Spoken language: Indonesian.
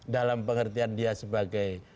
dalam pengertian dia sebagai